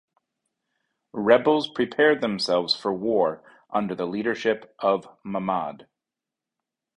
Rebels prepared themselves for war under the leadership of Mammad.